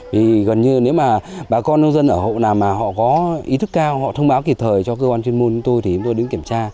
vì gần như nếu mà bà con nông dân ở hộ nào mà họ có ý thức cao họ thông báo kịp thời cho cơ quan chuyên môn chúng tôi thì chúng tôi đứng kiểm tra